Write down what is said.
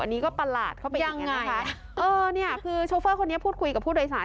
อันนี้ก็ประหลาดเข้าไปยังไงคะเออเนี่ยคือโชเฟอร์คนนี้พูดคุยกับผู้โดยสาร